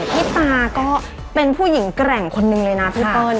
พี่ตาก็เป็นผู้หญิงแกร่งคนนึงเลยนะพี่เปิ้ล